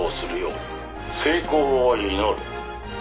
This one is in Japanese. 「成功を祈る」